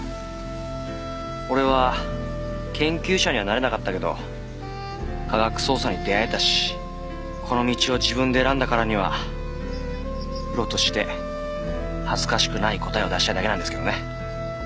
俺は研究者にはなれなかったけど科学捜査に出会えたしこの道を自分で選んだからにはプロとして恥ずかしくない答えを出したいだけなんですけどね。